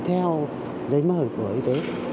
theo giấy mở của y tế